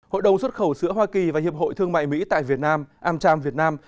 hội đồng xuất khẩu sữa hoa kỳ và hiệp hội thương mại mỹ tại việt nam amcham việt nam